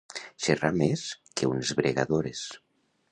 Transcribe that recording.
Xerrar més que unes bregadores.